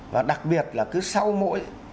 và đặc biệt là cứ sau mỗi